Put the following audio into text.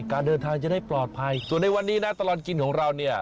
การเดินทางจะได้ปลอดภัยส่วนในวันนี้นะตลอดกินของเราเนี่ย